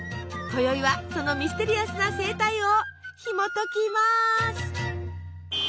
今宵はそのミステリアスな生態をひもときます。